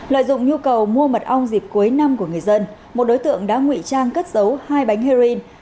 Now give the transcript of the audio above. lợi dụng nhu cầu mua mật ong dịp cuối năm của người dân một đối tượng đã ngụy trang cất giấu hai bánh heroin